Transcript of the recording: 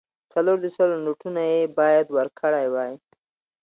څلور د سلو نوټونه یې باید ورکړای وای.